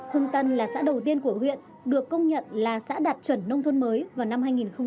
hưng tân là xã đầu tiên của huyện được công nhận là xã đạt chuẩn nông thôn mới vào năm hai nghìn một mươi